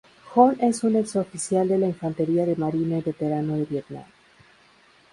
John es un ex oficial de la Infantería de Marina y veterano de Vietnam.